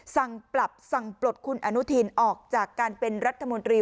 สั่งปรับสั่งปลดคุณอนุทินออกจากการเป็นรัฐมนตรี